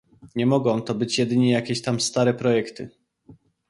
Nie mogą to być jedynie jakieś tam stare projekty